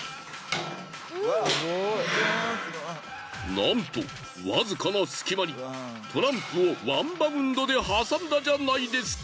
なんとわずかな隙間にトランプをワンバウンドで挟んだじゃないですか。